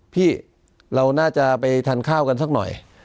พี่เราน่าจะไปทานข้าวกันสักหน่อย